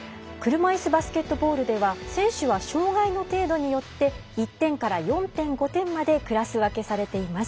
車いすバスケットボールでは選手は障がいの程度によって１点から４点、５点までクラス分けされています。